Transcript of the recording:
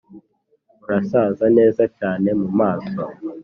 urasa neza cyane mu maso.